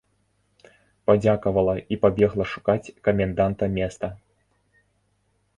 Падзякавала і пабегла шукаць каменданта места.